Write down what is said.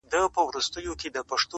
o هغه وه تورو غرونو ته رويا وايي.